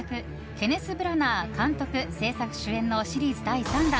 ケネス・ブラナー監督・製作・主演のシリーズ第３弾。